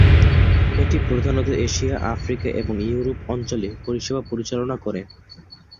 এটি প্রধানত Asia, Africa এবং ইউরোপ অঞ্চলে পরিষেবা পরিচালনা করে।